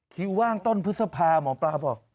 ว่างต้นพฤษภาหมอปลาบอก